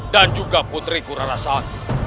dan juga putriku rasantau